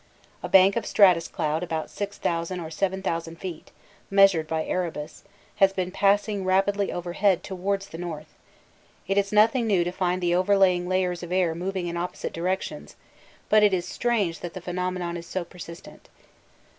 A bank of stratus cloud about 6000 or 7000 feet (measured by Erebus) has been passing rapidly overhead towards the north; it is nothing new to find the overlying layers of air moving in opposite directions, but it is strange that the phenomenon is so persistent.